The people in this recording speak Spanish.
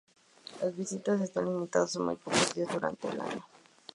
Las visitas están limitadas a muy pocos días durante el año.